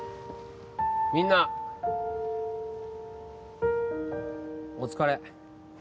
みんなお疲れ